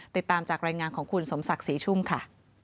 ติดตามจากรายงานของคุณสมศักดิ์ศรีชุ่มค่ะ